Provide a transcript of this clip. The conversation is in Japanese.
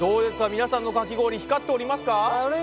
皆さんのかき氷光っておりますか？